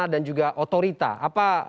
dan juga otorita apa